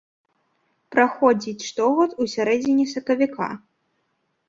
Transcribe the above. Праходзіць штогод у сярэдзіне сакавіка.